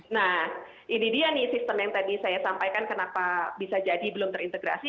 nah ini dia nih sistem yang tadi saya sampaikan kenapa bisa jadi belum terintegrasi